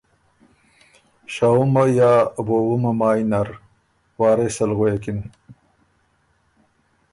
شهُمه یا وووُمه مایٛ نرـــ وارث ال غوېکِن